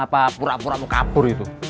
apa pura pura mau kabur itu